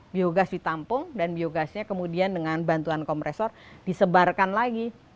biogas ditampung dan biogasnya kemudian dengan bantuan kompresor disebarkan lagi